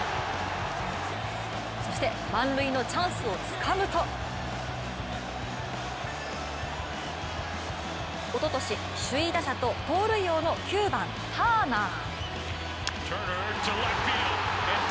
そして満塁のチャンスをつかむとおととし首位打者と盗塁王の９番・ターナー。